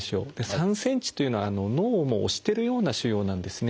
３ｃｍというのは脳をもう押してるような腫瘍なんですね。